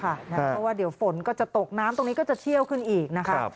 เพราะว่าเดี๋ยวฝนก็จะตกน้ำตรงนี้ก็จะเชี่ยวขึ้นอีกนะคะ